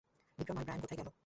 বিক্রম আর ব্রায়ান কোথায় গেল?